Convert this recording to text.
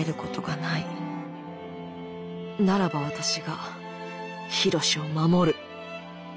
ならば私が緋炉詩を守る。